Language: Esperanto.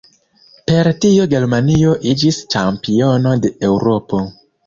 Per tio Germanio iĝis ĉampiono de Eŭropo.